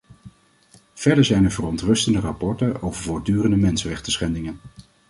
Verder zijn er verontrustende rapporten over voortdurende mensenrechtenschendingen.